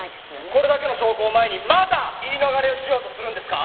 これだけの証拠を前にまだ言い逃れをしようとするんですか？